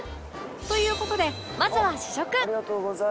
という事でまずは試食！